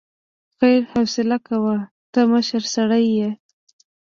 خير حوصله کوه، ته مشر سړی يې.